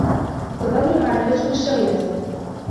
تَظَلُّ الْعَامِلَةُ مُشْتَغِلَةً.